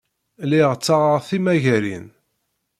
Lliɣ ttaɣeɣ timagarin.